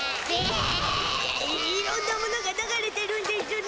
いろんなものが流れてるんでしゅね